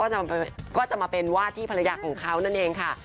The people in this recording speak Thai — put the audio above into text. แล้วสาวเมษานี่แหละค่ะคุณผู้ชมก็จะมาเป็นวาดที่ภรรยาของเค้านั่นเองค่ะ